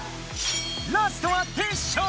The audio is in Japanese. ラストはテッショウ！